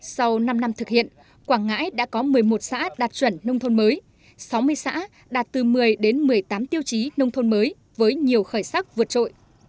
sau năm năm thực hiện quảng ngãi đã có một mươi một xã đạt chuẩn nông thôn mới sáu mươi xã đạt từ một mươi đến một mươi tám tiêu chí nông thôn mới với nhiều khởi sắc vượt trội